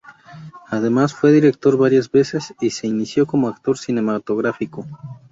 Además, fue director varias veces y se inició como actor cinematográfico.